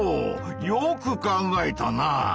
よく考えたな。